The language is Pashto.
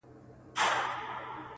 رقیب مي له شهبازه غزلونه تښتوي-